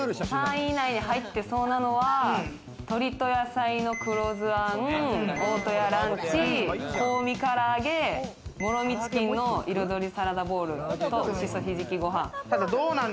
３位以内に入ってそうなのは、鶏と野菜の黒酢あん、大戸屋ランチ、香味唐揚げ、もろみチキンの彩りサラダボウルと、しそひじきご飯。